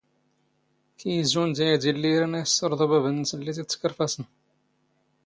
ⴽⵢⵢ ⵣⵓⵏ ⴷ ⴰⵢⴷⵉ ⵍⵍⵉ ⵉⵔⴰⵏ ⴰⴷ ⵉⵙⵙⵕⴹⵓ ⴱⴰⴱ ⵏⵏⵙ ⵍⵍⵉ ⵜ ⵉⵜⵜⴽⵕⴼⴰⵚⵏ.